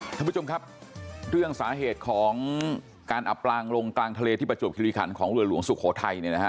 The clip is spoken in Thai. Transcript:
ท่านผู้ชมครับเรื่องสาเหตุของการอับปลางลงกลางทะเลที่ประจวบคิริขันของเรือหลวงสุโขทัยเนี่ยนะฮะ